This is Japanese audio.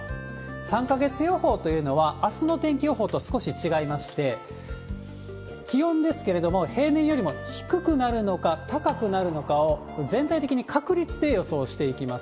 ３か月予報というのは、あすの天気予報と少し違いまして、気温ですけれども、平年よりも低くなるのか高くなるのかを、これ、全体的に確率で予想していきます。